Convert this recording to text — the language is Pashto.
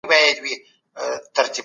د خپلو جامو پاکوالي ته پام کوئ.